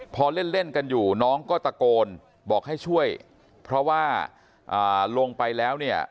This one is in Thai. พอเล่นเล่นกันอยู่น้องก็ตะโกนบอกให้ช่วยเพราะว่าลงไปแล้วเนี่ย